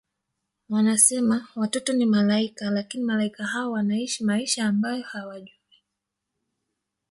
Wanasema watoto ni Malaika lakini Malaika hao wanaishi maisha ambayo hawajui